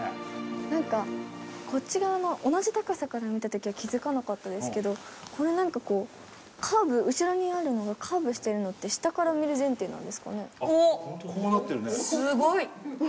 なんかこっち側の同じ高さから見た時は気づかなかったんですけどこれなんかこうカーブ後ろにあるのがカーブしてるのって下から見る前提なんですかね？